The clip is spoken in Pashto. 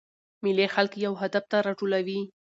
مېلې خلک یو هدف ته راټولوي.